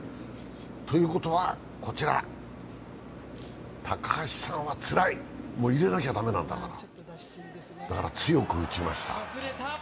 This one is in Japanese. ということは、こちら高橋さんはつらい、入れなきゃ駄目なんだから、だから強く打ちました。